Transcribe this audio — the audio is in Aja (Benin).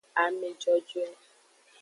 Ame jojoe.